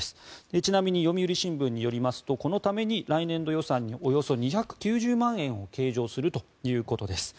ちなみに読売新聞によりますとこのために来年度予算におよそ２９０万円を計上するということです。